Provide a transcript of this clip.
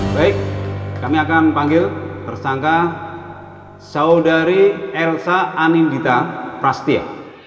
baik kami akan panggil tersangka saudari elsa anindita prastya